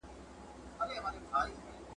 زه دي سوځلی یم او ته دي کرۍ شپه لګېږې..